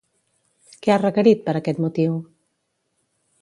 Què ha requerit, per aquest motiu?